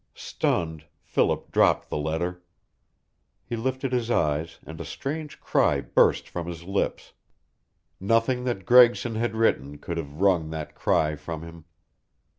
Stunned, Philip dropped the letter. He lifted his eyes, and a strange cry burst from his lips. Nothing that Gregson had written could have wrung that cry from him.